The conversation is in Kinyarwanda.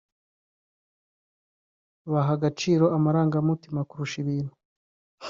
baha agaciro amarangamutima kurusha ibintu